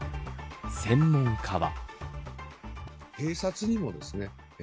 専門家は。